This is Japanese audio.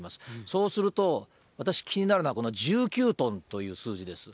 そうすると、私、気になるのは、この１９トンという数字です。